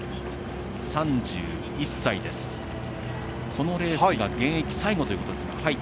３１歳です、このレースが現役最後ということです。